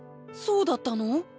そうだったの？